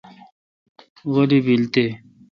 غلی بیل تے۔